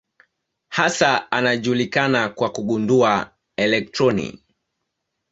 Hasa anajulikana kwa kugundua elektroni.